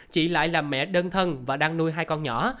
chị lại là mẹ đơn thân và đang nuôi hai con nhỏ